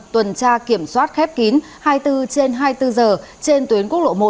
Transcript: tuần tra kiểm soát khép kín hai mươi bốn trên hai mươi bốn giờ trên tuyến quốc lộ một